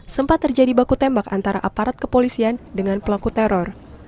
sempat terjadi baku tembak antara aparat kepolisian dengan pelaku teror